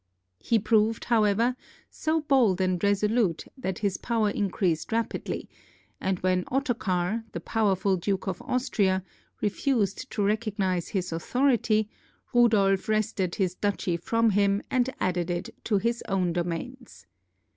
He proved, however, so bold and resolute that his power increased rapidly, and when Ottocar, the pow erful Duke of Austria, refused to recognize his authority, Rudolf wrested his duchy from him and added it to his own domains.